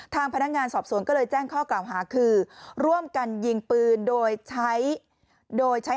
ทางพนักงานสอบสวนก็เลยแจ้งข้อกล่าวหาคือร่วมกันยิงปืนโดยใช้โดยใช้